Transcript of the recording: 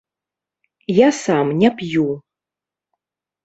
Я сам не п'ю.